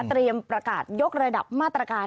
เตรียมประกาศยกระดับมาตรการ